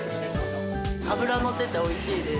脂乗ってておいしいです。